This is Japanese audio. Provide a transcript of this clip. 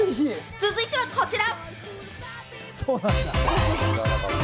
続いてはこちら。